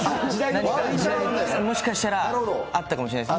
もしかしたらあったかもしれないです。